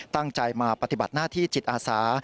ตั้งใจมาปฏิบัติหน้าที่จิตอาสา